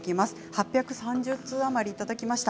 ８３０通余りいただきました。